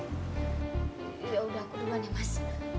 ya udah aku duluan ya mas